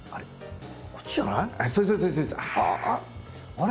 あれ？